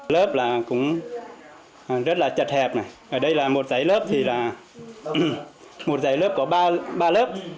lớp là cũng rất là chật hẹp ở đây là một giấy lớp thì là một giấy lớp có ba lớp